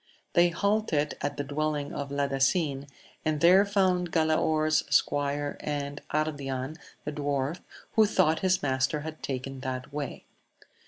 They halted a the dwelling of Ladasin, and there found Galaor squire and Ardian the dwarf, who thought his mastc had taken that way.